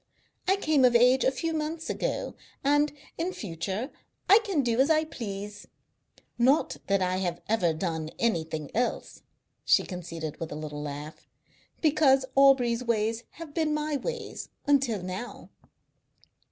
I came of age a few months ago, and, in future, I can do as I please. Not that I have ever done anything else," she conceded, with another laugh, "because Aubrey's ways have been my ways until now."